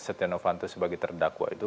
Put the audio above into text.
stiano fanto sebagai terdakwa itu